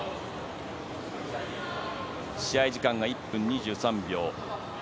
試合時間は１分２３秒。